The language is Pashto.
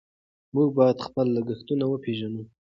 موږ باید خپل لګښتونه وپېژنو.